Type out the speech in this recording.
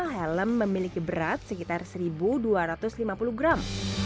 helm memiliki berat sekitar satu dua ratus lima puluh gram